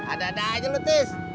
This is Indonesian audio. ada ada aja lo tis